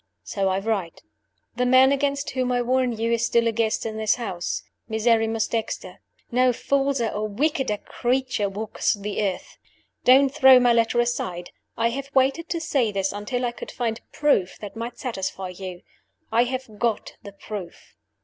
So I write. "The man against whom I warn you is still a guest in this house Miserrimus Dexter. No falser or wickeder creature walks the earth. Don't throw my letter aside! I have waited to say this until I could find proof that might satisfy you. I have got the proof.